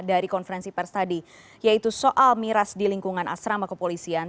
dari konferensi pers tadi yaitu soal miras di lingkungan asrama kepolisian